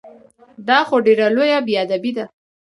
دا خو ډېره لویه بې ادبي ده!